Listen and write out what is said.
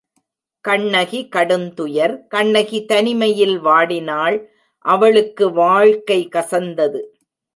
கண்ணகி கடுந்துயர் கண்ணகி தனிமையில் வாடினாள் அவளுக்கு வாழ்க்கை கசந்தது.